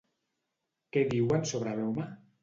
Què diuen sobre l'home?